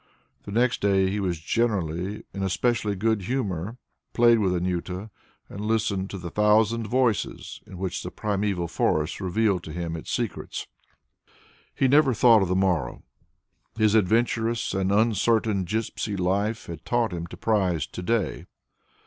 The next day he was generally in a specially good humour, played with Anjuta, and listened to the thousand voices in which the primeval forest revealed to him its secrets. He never thought of the morrow; his adventurous and uncertain gipsy life had taught him to prize to day.